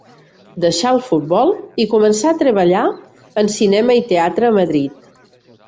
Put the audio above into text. Deixà el futbol i començà a treballar en cinema i teatre a Madrid.